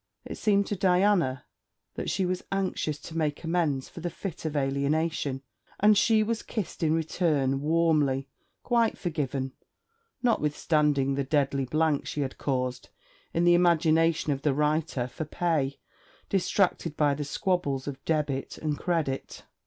It seemed to Diana that she was anxious to make amends for the fit of alienation, and she was kissed in return warmly, quite forgiven, notwithstanding the deadly blank she had caused in the imagination of the writer for pay, distracted by the squabbles of Debit and Credit.